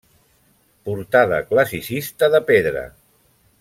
Portada classicista de pedra.